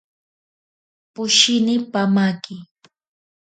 Poshini pamaki.